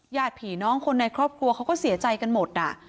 ญาติผีน้องคนในครอบครัวเขาก็เสียใจกันหมดอ่ะ